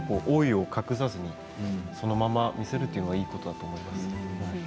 老いを隠さずにそのまま見せるっていうのはいいことだなと思いますね。